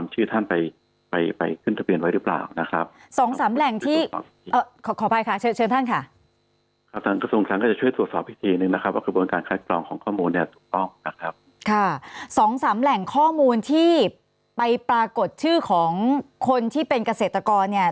สองสามแหล่งข้อมูลที่ไปปรากฏชื่อของคนที่เป็นเกษตรกรเนี่ย